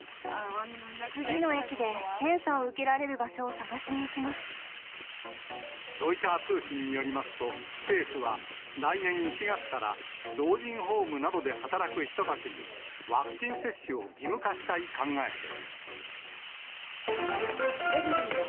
次の駅で検査を受けられる場ロイター通信によりますと、政府は来年１月から老人ホームなどで働く人たちに、ワクチン接種を義務化したい考えです。